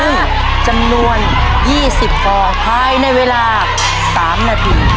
นั่นคือจำนวน๒๐บอลหายในเวลา๓นาที